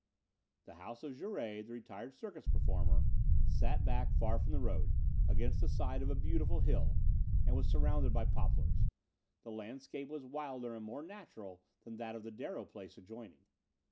The house of Jouret, the retired circus performer, sat back far from the road, against the side of a beautiful hill, and was surrounded by poplars. The landscape was wilder and more natural than that of the Darrow place adjoining.